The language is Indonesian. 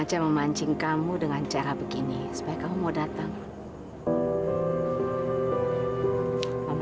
sampai jumpa di video selanjutnya